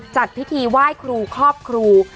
จัดพิธีไหว้ครูครอบครู